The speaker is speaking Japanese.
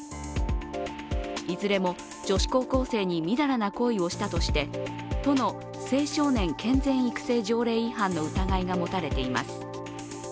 いずれも女子高校生にみだらな行為をしたとして都の青少年健全育成条例違反の疑いが持たれています。